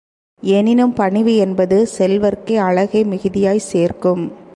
எனினும் பணிவு என்பது செல்வர்க்கே அழகை மிகுதியாகச் சேர்க்கும்.